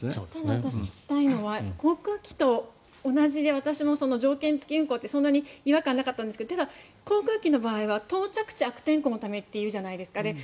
私が聞きたいのは航空機と同じで私も条件付き運航ってそんなに違和感がなかったんですが航空機の場合は到着地悪天候のためとなるじゃないですか。